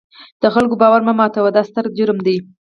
د خلکو باور مه ماتوئ، دا ستر جرم دی.